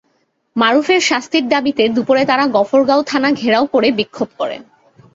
মারুফের শাস্তির দাবিতে দুপুরে তারা গফরগাঁও থানা ঘেরাও করে বিক্ষোভ করে।